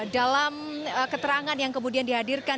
dalam keterangan yang kemudian dihadirkan